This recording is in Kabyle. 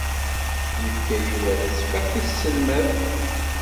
Yefka Yuba tatteffaḥt i tselmadt.